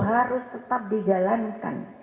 harus tetap dijalankan